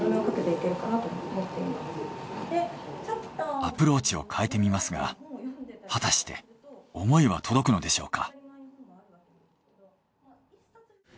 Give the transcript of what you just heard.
アプローチを変えてみますが果たして思いは届くのでしょうか？